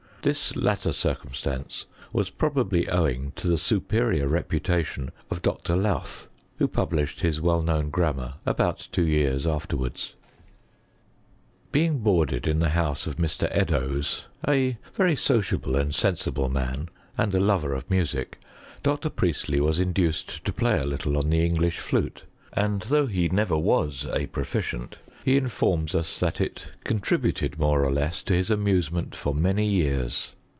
This latter circumstance was probably owing to the superior reputation of Dr. Lowth, who published his well known grammar about two years afterwards. CHEMISTRY IN GREAT BaiTAlN. ^" Bein^ boarded in the house of Mr. Eddowea, a very sociable and sensible man, and a lover of music, Dr. Priestley was induced to play a little on the English flute ; and though he never was a pro ficient, he informs us that it contributed more or less to his amusement for many years.